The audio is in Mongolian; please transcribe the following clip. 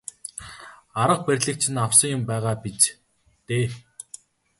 Арга барилыг чинь авсан юм байгаа биз дээ.